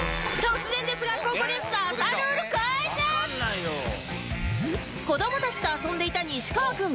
突然ですがここで子どもたちと遊んでいた西川くん